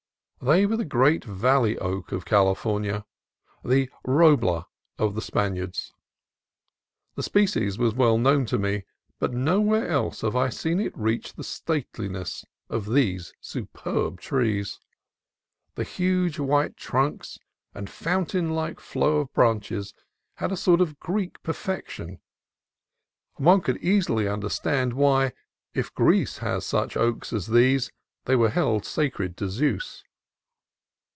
They were the great valley oak of California, the roble of the Spaniards. The species was well known to me, but nowhere else have I seen it reach the stateliness of these superb trees. The huge white trunks and fountain like flow of branches had a sort of Greek perfection, and one could easily understand why, if Greece has such oaks as these, they were held sacred to Zeus.